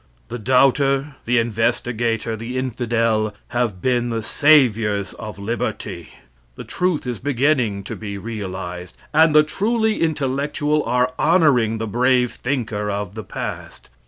The doubter, the investigator, the infidel, have been the saviors of liberty. The truth is beginning to be realized, and the truly intellectual are honoring the brave thinker of the past.